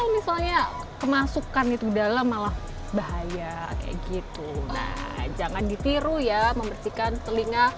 misalnya kemasukan itu dalam malah bahaya kayak gitu nah jangan ditiru ya membersihkan telinga